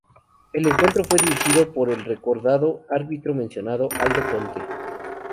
El encuentro fue dirigido por el recordado árbitro mendocino Aldo Conte.